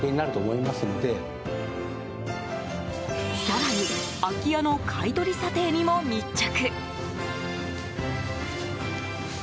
更に、空き家の買い取り査定にも密着。